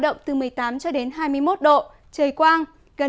động từ một mươi tám hai mươi một độ trời quang